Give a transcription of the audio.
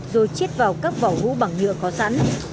rồi chiết vào các vỏ hũ bằng nhựa có sẵn